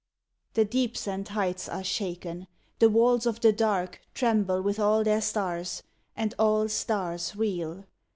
The deeps and heights are shaken. The walls of the Dark Tremble with all their stars, and all stars reel.